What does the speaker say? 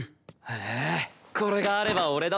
へえこれがあれば俺だって。